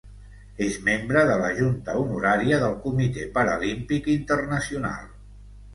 És membre de la junta honorària del Comitè Paralímpic Internacional.